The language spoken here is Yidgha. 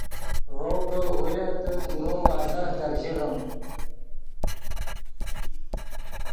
ڤؤ کہ غولیتغت اورو واضح گپ ژیغیم